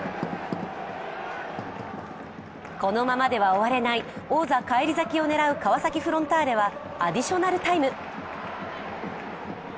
このままでは終われない、王座返り咲きを狙う川崎フロンターレはアディショナルタイム。